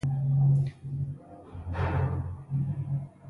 ولسمشر اندرو جانسن په اتلس سوه پنځه شپېته کال کې حکم لغوه کړ.